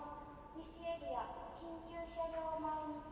「西エリア緊急車両前に」